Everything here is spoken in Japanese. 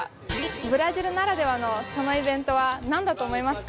ブラジルならではのそのイベントはなんだと思いますか？